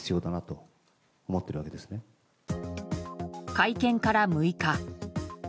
会見から６日。